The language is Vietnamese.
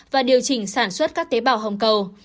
và điều chỉnh sản xuất các tế bào hồng cầu